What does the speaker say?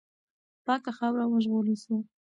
پاکه خاوره وژغورل سوه.